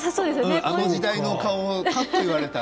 あの世代の顔かと言われたら。